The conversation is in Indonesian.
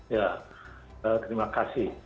ya terima kasih